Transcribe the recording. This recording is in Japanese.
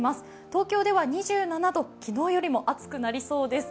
東京では２７度、昨日よりも暑くなりそうです。